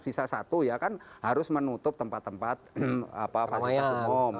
bisa satu ya kan harus menutup tempat tempat pasien pasien umum